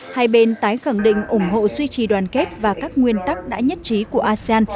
hai bên tái khẳng định ủng hộ suy trì đoàn kết và các nguyên tắc đã nhất trí của asean